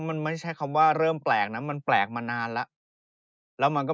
มันไม่ใช่คำว่าเริ่มแปลกนะมันแปลกมานานแล้วแล้วมันก็